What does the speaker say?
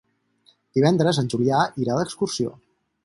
Divendres en Julià irà d'excursió.